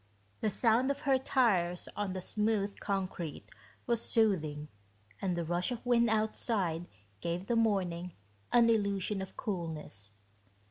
The sound of her tires on the smooth concrete was soothing and the rush of wind outside gave the morning an illusion of coolness.